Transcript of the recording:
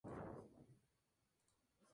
Es la esposa de Gerardo.